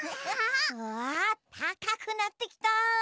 うわたかくなってきた。